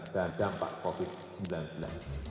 dan dampak covid sembilan belas